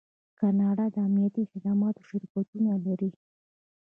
کاناډا د امنیتي خدماتو شرکتونه لري.